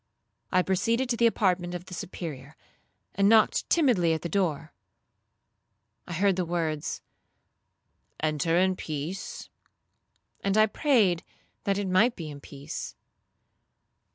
I proceeded to the apartment of the Superior, and knocked timidly at the door. I heard the words, 'Enter in peace;' and I prayed that it might be in peace.